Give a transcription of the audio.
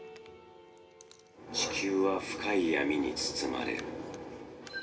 地球は深い闇に包まれ。